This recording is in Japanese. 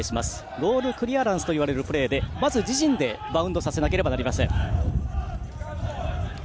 ボールクリアランスといわれるプレーでまず自陣でバウンドさせなければなりません。